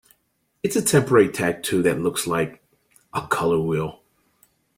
It's a temporary tattoo that looks like... a color wheel?